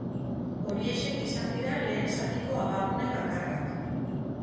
Horiexek izan dira lehen zatiko abagune bakarrak.